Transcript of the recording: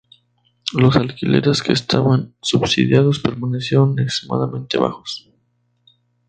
Los alquileres, que estaban subsidiados, permanecieron extremadamente bajos.